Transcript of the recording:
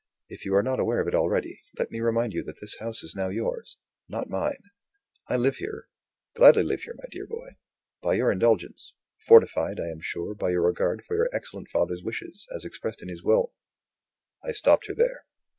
If you are not aware of it already, let me remind you that this house is now yours; not mine. I live here gladly live here, my dear boy by your indulgence; fortified (I am sure) by your regard for your excellent father's wishes as expressed in his will " I stopped her there.